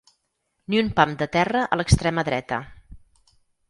Ni un pam de terra a l'extrema dreta.